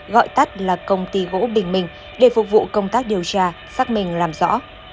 gọi tắt là công ty gỗ bình minh để phục vụ công tác điều tra xác minh làm rõ